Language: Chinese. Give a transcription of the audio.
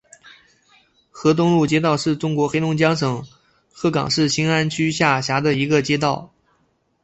河东路街道是中国黑龙江省鹤岗市兴安区下辖的一个街道。